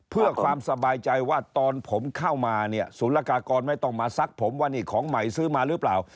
เพื่อความสบายใจว่าตอนผมเข้ามาเนี่ยศูนย์ละกากรไม่ต้องมาซักผมว่านี่ของใหม่ซื้อมาหรือเปล่า